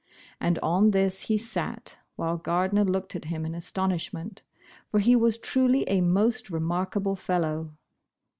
And on this he sat, while Gardner looked at him in astonishment, for he was truly a most remarkable fellow.